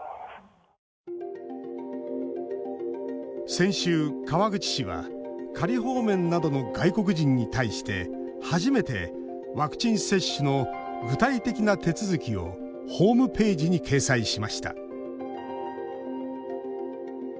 先週、川口市は仮放免などの外国人に対して初めてワクチン接種の具体的な手続きをホームページに掲載しました。